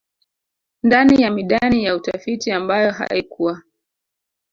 ndani ya midani ya utafiti ambayo haikuwa